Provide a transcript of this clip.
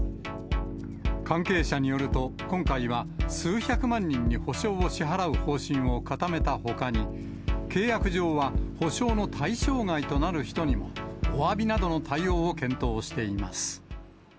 関係者によると、今回は数百万人に補償を支払う方針を固めたほかに、契約上は補償の対象外になる人にもおわびなどの対応を検討しています。